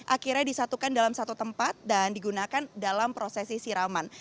akhirnya disatukan dalam satu tempat dan digunakan dalam prosesi siraman